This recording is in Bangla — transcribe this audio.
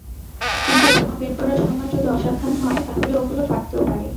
কিন্তু বোমা বের করার সময় যদি অসাবধান হয় তাহলে ওগুলো ফাটতেও পারে।